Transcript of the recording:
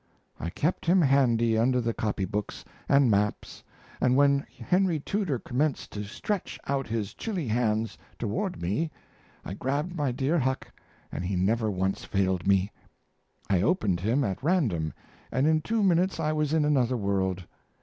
I kept him handy under the copy books and maps, and when Henry Tudor commenced to stretch out his chilly hands toward me I grabbed my dear Huck and he never once failed me; I opened him at random and in two minutes I was in another world.